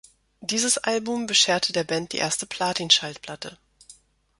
Dieses Album bescherte der Band die erste Platin-Schallplatte.